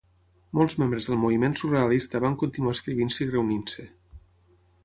Molts membres del moviment surrealista van continuar escrivint-se i reunint-se.